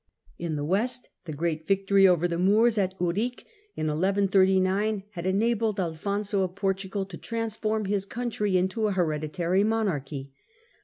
m 1158. In the West the great victory over the Moors at Ourique in 1139 had enabled Alfonso of Portugal to transform his county into a hereditary monarchy.